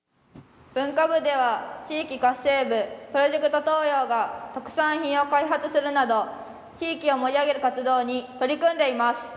文化部では地域活性部ＰＲＯＪＥＣＴＴＯＹＯが特産品を開発するなど地域を盛り上げる活動に取り組んでいます。